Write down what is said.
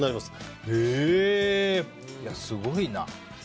すごいな。